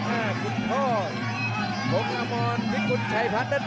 อ้าวคุณพ่อโปรแกรมอนพิกุณ์ชัยพัฒน์